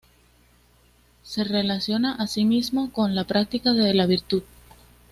Se relaciona asimismo con la práctica de la virtud.